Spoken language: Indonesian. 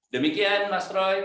demikian mas roy